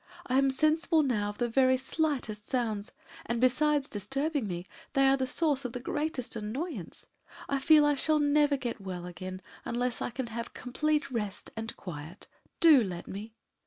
I am sensible now of the very slightest sounds, and besides disturbing me, they are a source of the greatest annoyance. I feel I shall never get well again unless I can have complete rest and quiet. Do let me!"